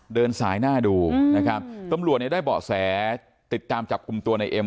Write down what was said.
เดินสายหน้าดูนะครับตำรวจเนี่ยได้เบาะแสติดตามจับกลุ่มตัวในเอ็ม